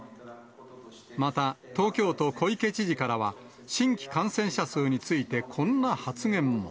また東京都、小池知事からは、新規感染者数について、こんな発言も。